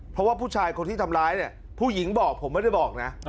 เพราะว่าผู้ชายคนที่ทำร้ายเนี่ยผู้หญิงบอกผมไม่ได้บอกนะ